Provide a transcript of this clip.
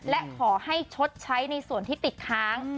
และขอให้ชดใช้ในส่วนที่ติดค้าง